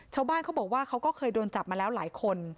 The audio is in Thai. ชาวบ้านเขาบอกว่าเขาก็เคยโดนจับมาแล้วหลายคน